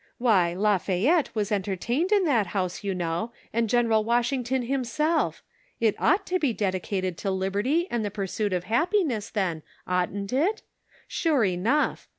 Why, Lafayette was en tertained in that house, you know, and General Washington himself ! It ought to be dedicated to liberty and the pursuit of happiness, then, oughtn't it ? Sure enough